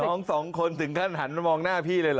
น้องสองคนถึงขั้นหันมามองหน้าพี่เลยเห